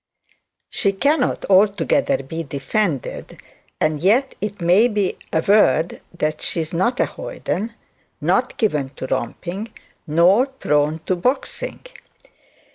She cannot altogether be defended; and yet it may be averred that she is not a hoyden, not given to romping, nor prone to boxing.